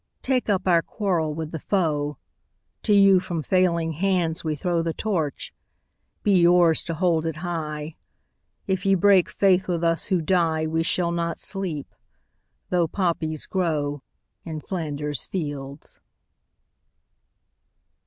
Take up our quarrel with the foe: To you from failing hands we throw The Torch: be yours to hold it high! If ye break faith with us who die We shall not sleep, though poppies grow In Flanders fields.